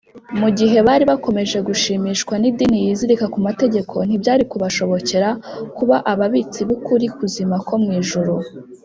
mu gihe bari bakomeje gushimishwa n’idini yizirika ku mategeko, ntibyari kubashobokera kuba ababitsi b’ukuri kuzima ko mu ijuru